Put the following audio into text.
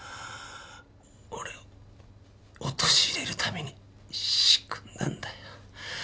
俺を陥れるために仕組んだんだよ。